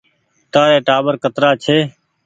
تآري ٽآٻر ڪترآ ڇي ۔